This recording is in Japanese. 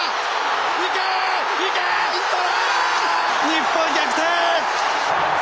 日本逆転！